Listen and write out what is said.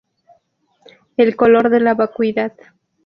El color de la vacuidad.